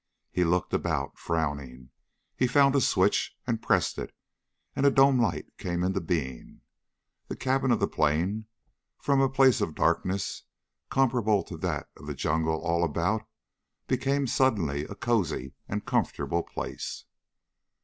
He looked about, frowning. He found a switch and pressed it, and a dome light came into being. The cabin of the plane, from a place of darkness comparable to that of the jungle all about, became suddenly a cosy and comfortable place.